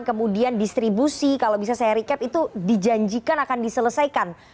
kemudian distribusi kalau bisa saya recap itu dijanjikan akan diselesaikan